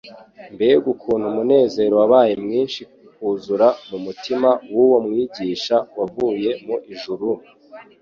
mbega ukuntu umunezero wabaye mwinshi ukuzura mu mutima w'uwo Mwigisha wavuye mu ijuru,